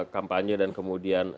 kampanye dan kemudian